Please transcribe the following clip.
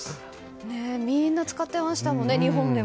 みんな使っていましたもんね。